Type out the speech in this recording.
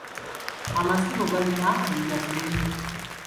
Amasimu galina emigaso mingi.